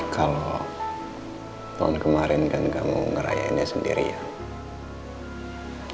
kalau tahun kemarin kan kamu ngerayainnya sendirian